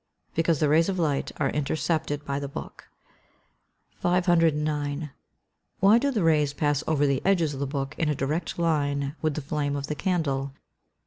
_ Because the rays of light are intercepted by the book. 509. _Why do the rays pass over the edges of the book in a direct line with the flame of the candle?